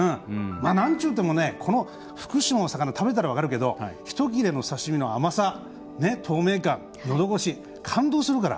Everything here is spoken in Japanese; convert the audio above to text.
なんといっても福島の魚、食べたら分かるけど一切れの刺身の甘さ透明感、のど越し、感動するから。